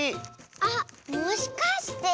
あっもしかして？